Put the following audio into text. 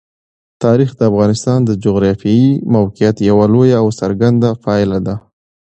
تاریخ د افغانستان د جغرافیایي موقیعت یوه لویه او څرګنده پایله ده.